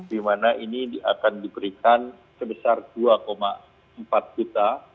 dimana ini akan diberikan sebesar dua empat juta